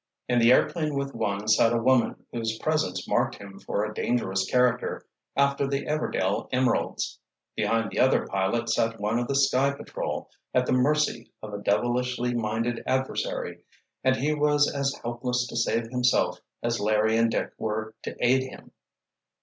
In the airplane with one sat a woman whose presence marked him for a dangerous character, after the Everdail emeralds. Behind the other pilot sat one of the Sky Patrol, at the mercy of a devilishly minded adversary, and he was as helpless to save himself as Larry and Dick were to aid him!